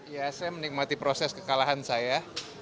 ya saya menikmati proses kekalahan saya